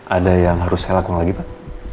ada yang harus saya lakukan lagi pak